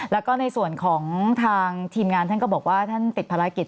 แล้วก็ในส่วนของทางทีมงานท่านก็บอกว่าท่านติดภารกิจ